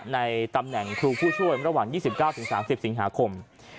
ในตำแหน่งครูผู้ช่วยระหว่าง๒๙๓๐สิงหาคม